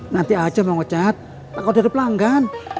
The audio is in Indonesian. nanti aja bang ucad takut ada pelanggan